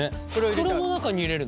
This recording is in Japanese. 袋の中に入れるの？